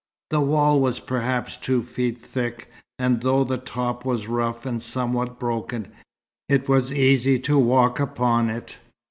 The wall was perhaps two feet thick, and though the top was rough and somewhat broken, it was easy to walk upon it.